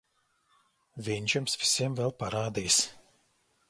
Viņš jums visiem vēl parādīs...